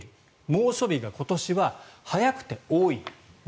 猛暑日が今年は早くて多い。